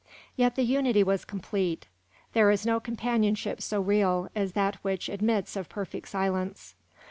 Yet the unity was complete; there is no companionship so real as that which admits of perfect silence.